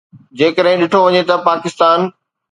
جيڪڏهن ڏٺو وڃي ته پاڪستان